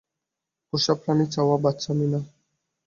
পোষা প্রাণী চাওয়া বাচ্চামি না।